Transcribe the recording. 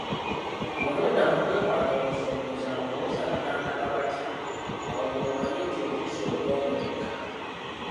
Bw'onodda mu kwekwata omusobooza ng'owoza banandaba batya awo ng'omanya nti otuuse okwonooneka.